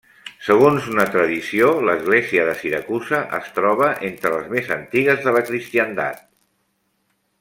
Segons una tradició, l'església de Siracusa es troba entre les més antigues de la cristiandat.